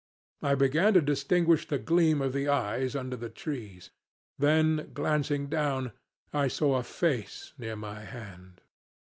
I began to distinguish the gleam of eyes under the trees. Then, glancing down, I saw a face near my hand.